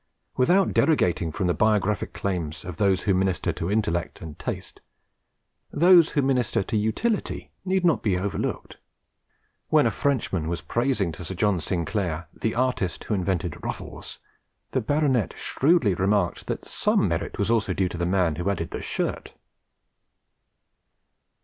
Without derogating from the biographic claims of those who minister to intellect and taste, those who minister to utility need not be overlooked. When a Frenchman was praising to Sir John Sinclair the artist who invented ruffles, the Baronet shrewdly remarked that some merit was also due to the man who added the shirt.